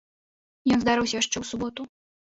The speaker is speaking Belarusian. Ён здарыўся яшчэ ў суботу.